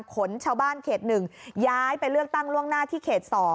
ชาวบ้านเขต๑ย้ายไปเลือกตั้งล่วงหน้าที่เขต๒